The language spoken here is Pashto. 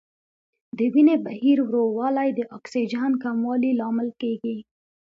د وینې بهیر ورو والی د اکسیجن کموالي لامل کېږي.